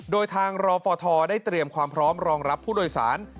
โดยทางรอฟทได้เตรียมความพร้อมรองรับผู้โดยสาร